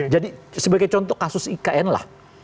jadi sebagai contoh kasus ikn lah